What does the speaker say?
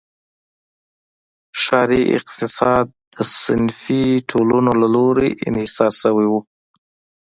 ښاري اقتصاد د صنفي ټولنو له لوري انحصار شوی و.